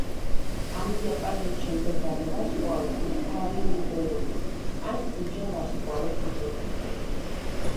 ამ დიაპაზონში მდებარე ვარსკვლავებს მთავარი მიმდევრობის ან „ჯუჯა“ ვარსკვლავებს უწოდებენ.